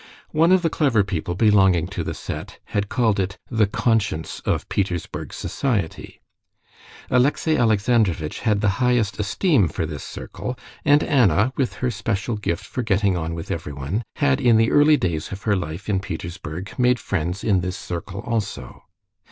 One of the clever people belonging to the set had called it "the conscience of Petersburg society." Alexey Alexandrovitch had the highest esteem for this circle, and Anna with her special gift for getting on with everyone, had in the early days of her life in Petersburg made friends in this circle also.